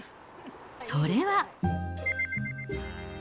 それは。